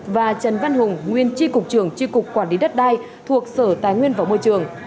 và trần văn hùng nguyên tri cục trường tri cục quản lý đất đai thuộc sở tài nguyên và môi trường